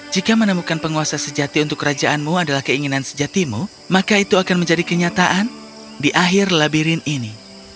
jika menemukan penguasa sejati untuk kerajaanmu adalah keinginan sejatimu maka itu akan menjadi kenyataan di akhir labirin ini